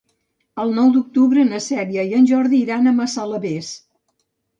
El nou d'octubre na Cèlia i en Jordi iran a Massalavés.